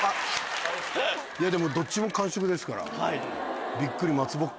いやでもどっちも完食ですから。